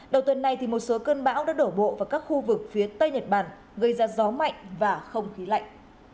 đầu tuần này một số cơn bão đã đổ bộ vào các khu vực phía tây nhật bản gây ra gió mạnh và không khí lạnh